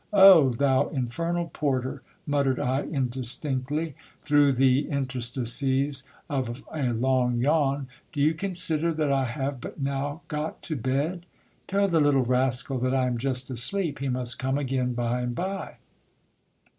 Oh ! thou infernal porter, muttered I indistinctly, through the inter stices of a long yawn, do you consider that I have but now got to bed ? Tell the little rascal that I am just asleep ; he must come again by and by.